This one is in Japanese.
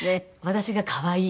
私が可愛い。